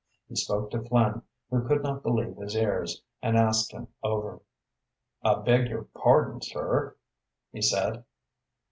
He spoke to Flynn, who could not believe his ears, and asked him over. "I beg your pardon, sir," he said.